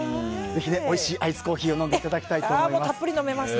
ぜひおいしいアイスコーヒーを楽しんでいただければと思います。